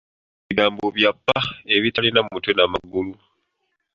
Ebyo bigambo bya ppa ebitalina mutwe n'amagulu.